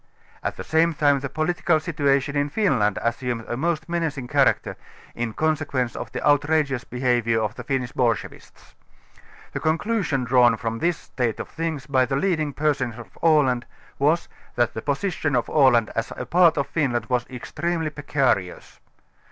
At the same time the jjolitical situation in Finland as sumed a most menacing character, in consequence of the out rageous behaviour of the Finnish bolschevists. The con clusion drawn from this state of things by the leading persons of Aland, was, that the position of x\.land as a part of Finland was extremely' precarious.